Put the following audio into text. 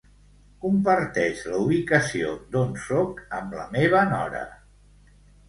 Comparteix la ubicació d'on soc amb la meva nora.